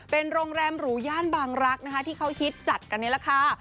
เป็นโรงแรมรูญาณบางรักที่เขาฮิตจัดกันเรียละคะ